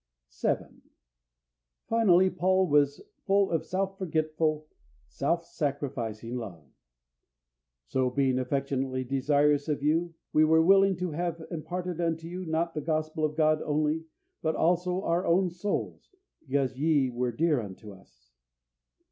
7. Finally, Paul was full of self forgetful, self sacrificing love. "So being affectionately desirous of you, we were willing to have imparted unto you, not the Gospel of God only, but also our own souls, because ye were dear unto us."